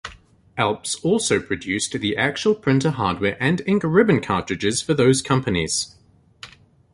Alps also produced the actual printer hardware and ink ribbon cartridges for those companies.